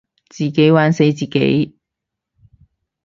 自己玩死自己